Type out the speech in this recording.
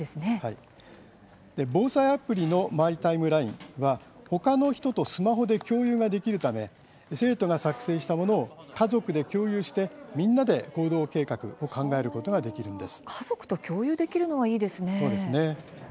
防災アプリのマイ・タイムラインは他の人とスマホで共有できるため生徒が作成したものを家族で共有してみんなで行動計画を考えることができるんです。